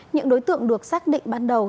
những đối tượng được xác định ban đầu